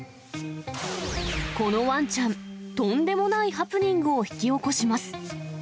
このワンちゃん、とんでもないハプニングを引き起こします。